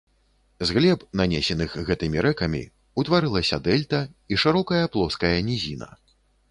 З глеб, нанесеных гэтымі рэкамі, утварыліся дэльта і шырокая плоская нізіна.